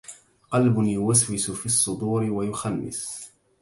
قلب يوسوس في الصدور ويخنس